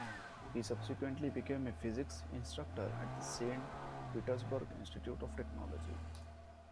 He subsequently became a physics instructor at the Saint Petersburg Institute of Technology.